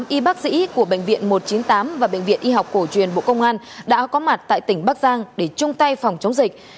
một mươi y bác sĩ của bệnh viện một trăm chín mươi tám và bệnh viện y học cổ truyền bộ công an đã có mặt tại tỉnh bắc giang để chung tay phòng chống dịch